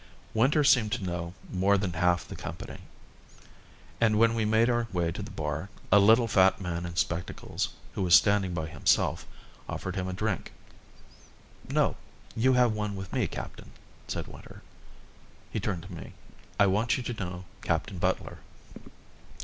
Winter seemed to know more than half the company, and when we made our way to the bar a little fat man in spectacles, who was standing by himself, offered him a drink. "No, you have one with me, Captain," said Winter. He turned to me. "I want you to know Captain Butler."